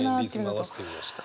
リズム合わせてみました。